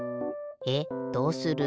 えっどうする？